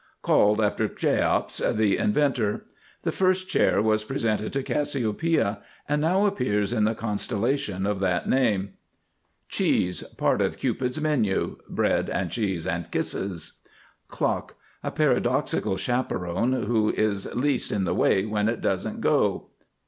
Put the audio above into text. Called after Cheops, the inventor. The first chair was presented to Cassiopeia and now appears in the constellation of that name. CHEESE. Part of Cupid's Menu (Bread and Cheese and Kisses). CLOCK. A paradoxical chaperon who is least in the way when it doesn't go.